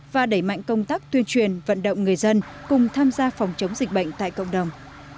và đẩy mạnh công tác tuyên truyền vận động người dân cùng tham gia phòng chống dịch bệnh tại cộng đồng